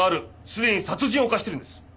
すでに殺人を犯してるんです。